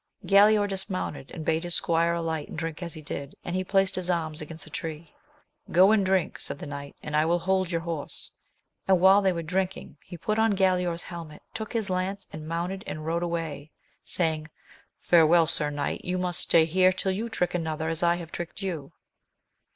Galaor dismounted, and bade his squire alight and drink as he did, and he placed his arms against a tree. Go and drink, said the knight, and I will hold your horse ; and while they were drinking, he put on Ga laor's helmet, took his lance, and mounted and rode away, saying. Farewell, sir knight, you must stay here till you trick another as I have tricked you.